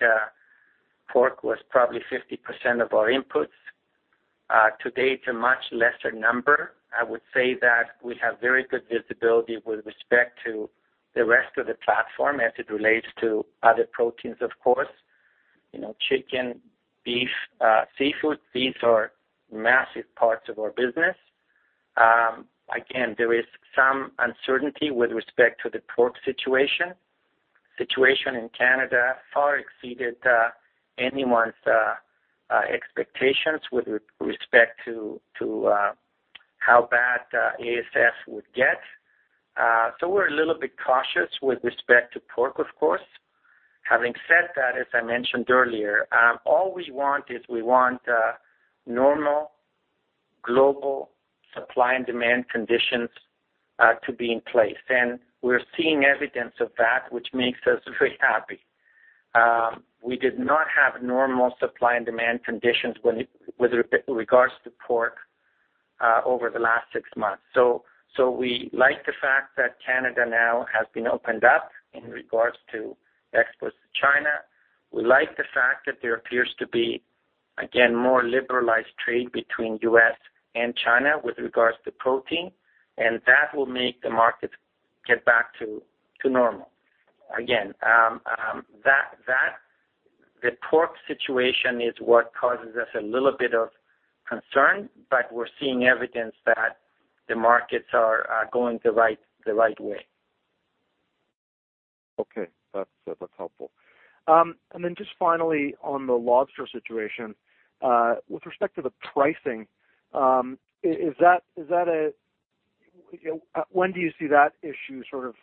pork was probably 50% of our inputs. Today, it's a much lesser number. I would say that we have very good visibility with respect to the rest of the platform as it relates to other proteins, of course. Chicken, beef, seafood, these are massive parts of our business. Again, there is some uncertainty with respect to the pork situation. The situation in Canada far exceeded anyone's expectations with respect to how bad ASF would get. We're a little bit cautious with respect to pork, of course. Having said that, as I mentioned earlier, all we want is we want normal global supply and demand conditions to be in place. We're seeing evidence of that, which makes us very happy. We did not have normal supply and demand conditions with regards to pork over the last six months. We like the fact that Canada now has been opened up in regards to exports to China. We like the fact that there appears to be, again, more liberalized trade between U.S. and China with regards to protein, and that will make the markets get back to normal. The pork situation is what causes us a little bit of concern, but we're seeing evidence that the markets are going the right way. Okay. That's helpful. Just finally, on the lobster situation, with respect to the pricing, when do you see that issue sort of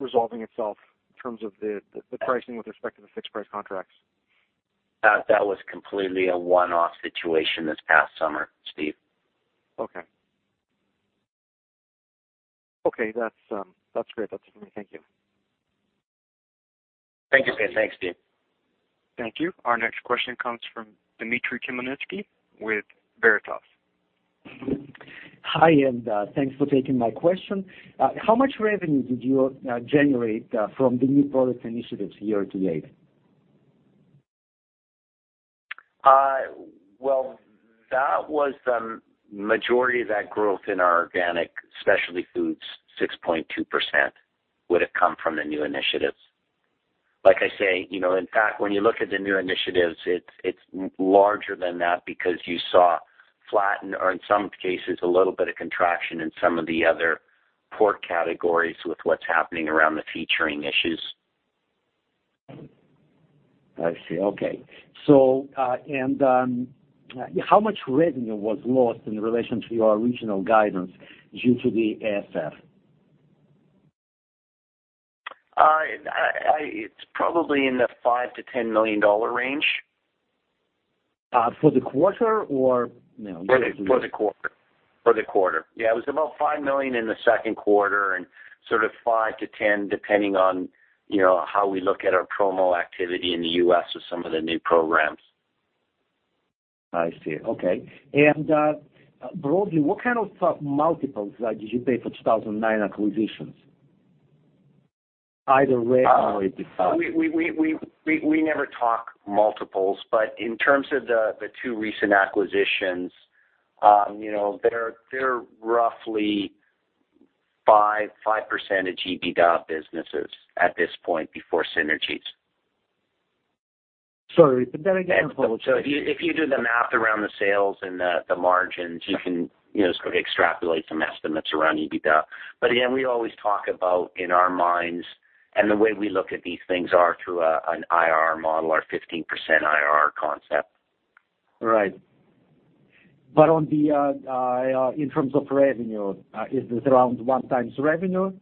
resolving itself in terms of the pricing with respect to the fixed price contracts? That was completely a one-off situation this past summer, Steve. Okay. That's great. That's it for me. Thank you. Thank you. Thanks, Steve. Thank you. Our next question comes from Dimitry Khmelnitsky with Veritas. Hi, thanks for taking my question. How much revenue did you generate from the new product initiatives year to date? Well, that was the majority of that growth in our organic specialty foods, 6.2% would have come from the new initiatives. Like I say, in fact, when you look at the new initiatives, it's larger than that because you saw flattened or in some cases, a little bit of contraction in some of the other pork categories with what's happening around the featuring issues. I see. Okay. How much revenue was lost in relation to your original guidance due to the ASF? It's probably in the 5 million-10 million dollar range. For the quarter For the quarter. Yeah, it was about 5 million in the second quarter and sort of 5-10 depending on how we look at our promo activity in the U.S. with some of the new programs. I see. Okay. Broadly, what kind of multiples did you pay for 2009 acquisitions? We never talk multiples, but in terms of the two recent acquisitions, they're roughly 5% of EBITDA businesses at this point before synergies. Sorry, but then again- If you do the math around the sales and the margins, you can sort of extrapolate some estimates around EBITDA. Again, we always talk about in our minds, and the way we look at these things are through an IRR model or 15% IRR concept. Right. In terms of revenue, is it around one times revenue?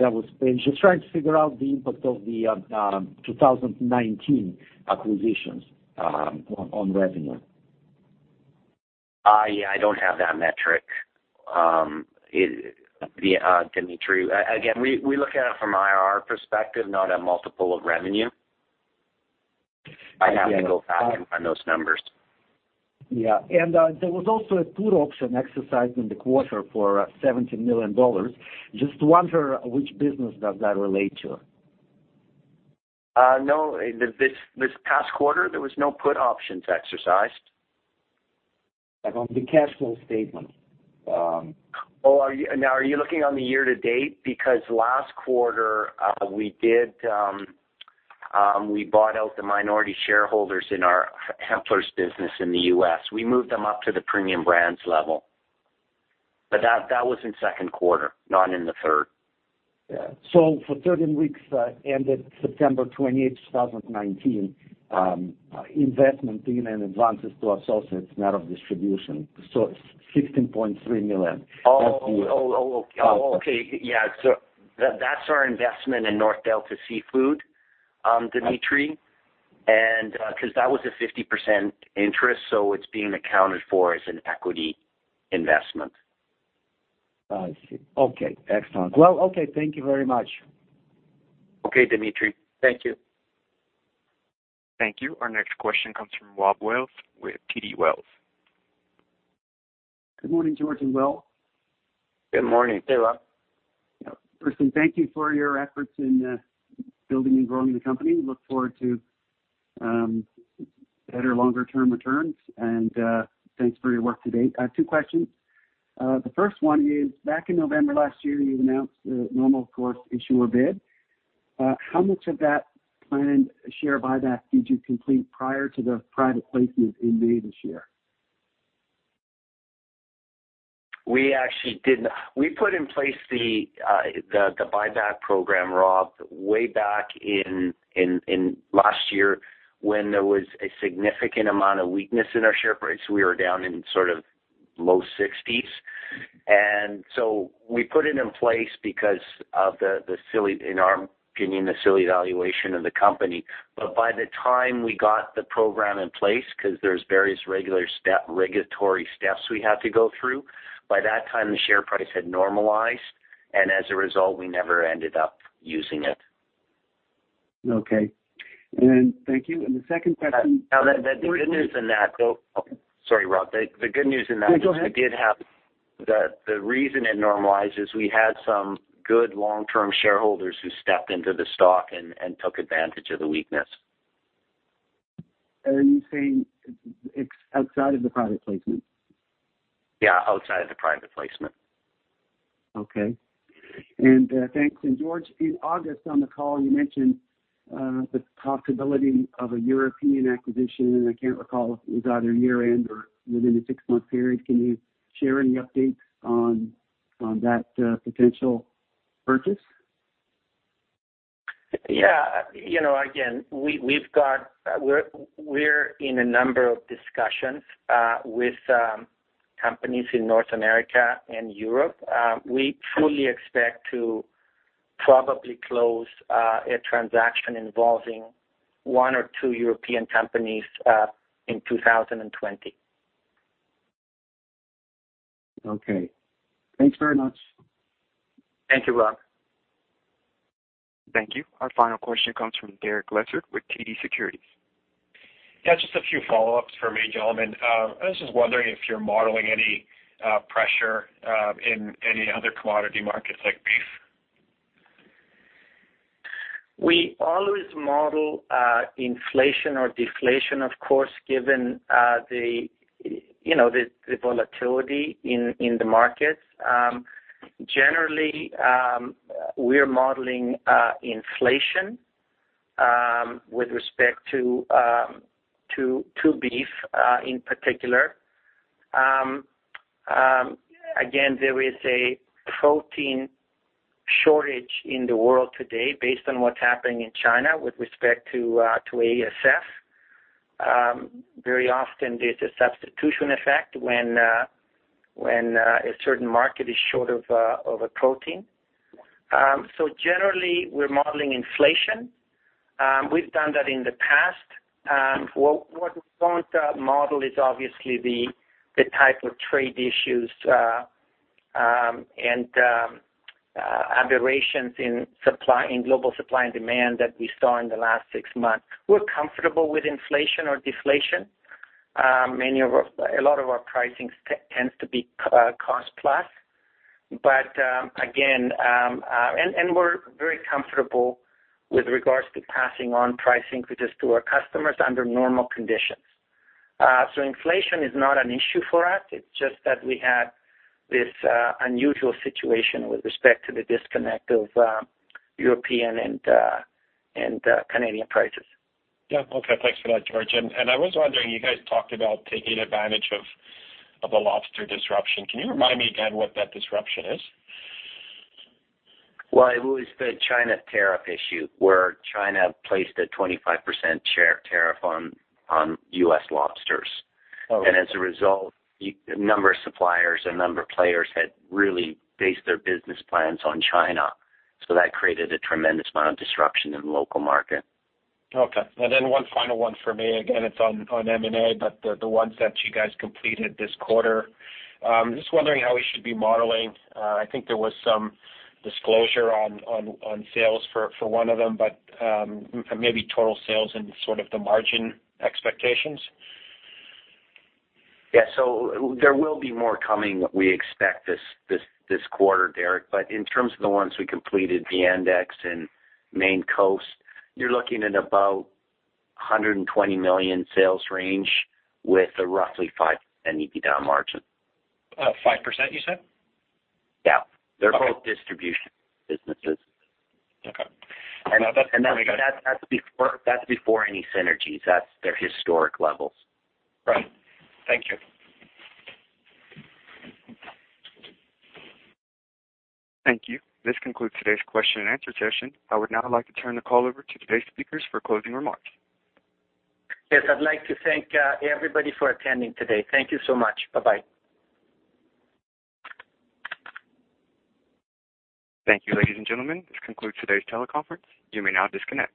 I am just trying to figure out the impact of the 2019 acquisitions on revenue. I don't have that metric, Dimitry. Again, we look at it from IRR perspective, not a multiple of revenue. Okay. I'd have to go back and run those numbers. Yeah. There was also a put option exercised in the quarter for 17 million dollars. Just wonder which business does that relate to? No, this past quarter, there was no put options exercised. On the cash flow statement. Are you looking on the year to date? Last quarter, we bought out the minority shareholders in our Templars business in the U.S. We moved them up to the Premium Brands level. That was in second quarter, not in the third. For 13 weeks that ended September 28, 2019, investment gain and advances to associates, net of distribution, it's 16.3 million. Oh, okay. Yeah. That's our investment in North Delta Seafood, Dimitry. Because that was a 50% interest, so it's being accounted for as an equity investment. I see. Okay. Excellent. Well, okay, thank you very much. Okay, Dimitry. Thank you. Thank you. Our next question comes from Rob Wells with TD Wealth. Good morning, George and Will. Good morning. Hey, Rob. First thing, thank you for your efforts in building and growing the company. Look forward to better longer-term returns, and thanks for your work to date. Two questions. The first one is, back in November last year, you announced the normal course issuer bid. How much of that planned share buyback did you complete prior to the private placement in May this year? We actually didn't. We put in place the buyback program, Rob, way back in last year when there was a significant amount of weakness in our share price. We were down in sort of CAD low 60s. We put it in place because of, in our opinion, the silly valuation of the company. By the time we got the program in place, because there's various regulatory steps we had to go through, by that time, the share price had normalized, and as a result, we never ended up using it. Okay. Thank you. The second question- The good news in that, though. Sorry, Rob. No, go ahead. We did have the reason it normalized is we had some good long-term shareholders who stepped into the stock and took advantage of the weakness. Are you saying it's outside of the private placement? Yeah, outside of the private placement. Okay. Thanks. George, in August, on the call, you mentioned the possibility of a European acquisition, and I can't recall if it was either year-end or within a six-month period. Can you share any updates on that potential purchase? Yeah. Again, we're in a number of discussions with companies in North America and Europe. We fully expect to probably close a transaction involving one or two European companies in 2020. Okay. Thanks very much. Thank you, Rob. Thank you. Our final question comes from Derek Lessard with TD Securities. Just a few follow-ups from me, gentlemen. I was just wondering if you're modeling any pressure in any other commodity markets like beef. We always model inflation or deflation, of course, given the volatility in the markets. Generally, we're modeling inflation with respect to beef in particular. Again, there is a protein shortage in the world today based on what's happening in China with respect to ASF. Very often, there's a substitution effect when a certain market is short of a protein. Generally, we're modeling inflation. We've done that in the past. What we won't model is obviously the type of trade issues and aberrations in global supply and demand that we saw in the last six months. We're comfortable with inflation or deflation. A lot of our pricing tends to be cost-plus. Again, and we're very comfortable with regards to passing on pricing increases to our customers under normal conditions. Inflation is not an issue for us. It's just that we had this unusual situation with respect to the disconnect of European and Canadian prices. Yeah. Okay. Thanks for that, George. I was wondering, you guys talked about taking advantage of a lobster disruption. Can you remind me again what that disruption is? Well, it was the China tariff issue, where China placed a 25% tariff on U.S. lobsters. Oh. As a result, a number of suppliers, a number of players had really based their business plans on China. That created a tremendous amount of disruption in the local market. Okay. One final one for me, again, it's on M&A, but the ones that you guys completed this quarter. I'm just wondering how we should be modeling? I think there was some disclosure on sales for one of them, but maybe total sales and sort of the margin expectations. Yeah. There will be more coming, we expect, this quarter, Derek. In terms of the ones we completed, the Viandex and Maine Coast, you're looking at about 120 million sales range with a roughly 5% EBITDA margin. 5%, you said? Yeah. Okay. They're both distribution businesses. Okay. That's before any synergies. That's their historic levels. Right. Thank you. Thank you. This concludes today's question and answer session. I would now like to turn the call over to today's speakers for closing remarks. Yes, I'd like to thank everybody for attending today. Thank you so much. Bye-bye. Thank you, ladies and gentlemen. This concludes today's teleconference. You may now disconnect.